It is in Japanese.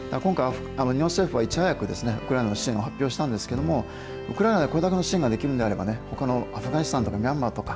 今回、日本政府はいち早くウクライナの支援を発表したんですけれども、ウクライナでこれだけの支援ができるんであれば、ほかのアフガニスタンとかミャンマーとか、